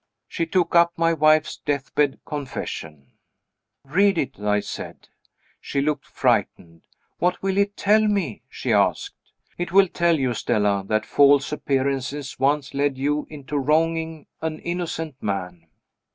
She took up my wife's death bed confession. "Read it," I said. She looked frightened. "What will it tell me?" she asked. "It will tell you, Stella, that false appearances once led you into wronging an innocent man."